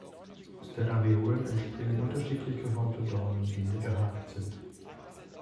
Aus den Areolen entspringen unterschiedlich geformte Dornen, die nie gehakt sind.